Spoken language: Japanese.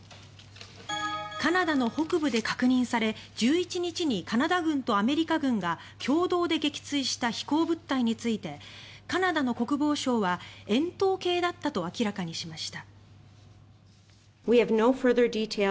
カナダの北部で確認され１１日にカナダ軍とアメリカ軍が共同で撃墜した飛行物体についてカナダの国防相は円筒形だったと明らかにしました。